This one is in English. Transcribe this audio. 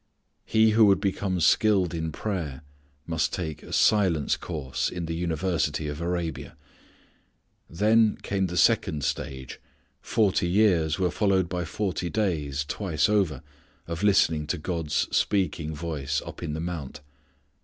He who would become skilled in prayer must take a silence course in the University of Arabia. Then came the second stage. Forty years were followed by forty days, twice over, of listening to God's speaking voice up in the mount.